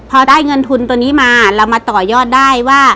พอได้เงินทุนตัวนี้มาเรามาต่อยอดได้ว่า